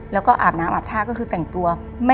แล้วก็อาบน้ำอาบท่าก็คือแต่งตัว